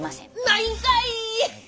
ないんかい！